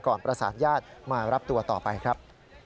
ประสานญาติมารับตัวต่อไปครับ